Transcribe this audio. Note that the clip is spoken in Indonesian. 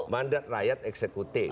mandat rakyat eksekutif